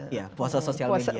iya puasa social media